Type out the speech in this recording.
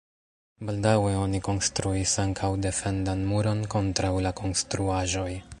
Baldaŭe oni konstruis ankaŭ defendan muron kontraŭ la konstruaĵoj.